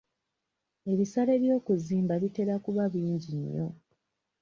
Ebisale by'okuzimba bitera kuba bingi nnyo.